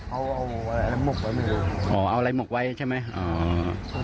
เอาเอาอะไรหมกไว้ไม่รู้อ๋อเอาอะไรหมกไว้ใช่ไหมอ่า